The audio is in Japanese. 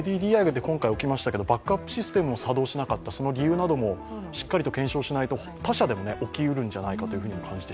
ＫＤＤＩで今回起きましたけれども、バックアップも機能しなかった、しっかりと検証しないと、他社でも起きうるんじゃないかと。